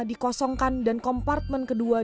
dikosongkan dan kompartmen kedua